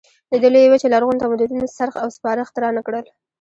د دې لویې وچې لرغونو تمدنونو څرخ او سپاره اختراع نه کړل.